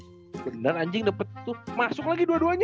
bener anjing dapet tuh masuk lagi dua duanya